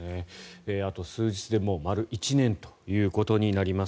あと数日で丸１年ということになります。